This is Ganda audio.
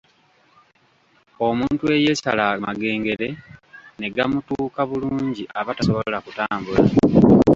Omuntu eyeesala amagengere ne gamutuuka bulungi aba tasobola kutambula.